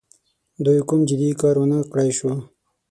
دوی کوم جدي کار ونه کړای سو.